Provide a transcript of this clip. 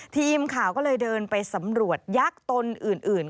ทีมข่าวก็เลยเดินไปสำรวจยักษ์ตนอื่น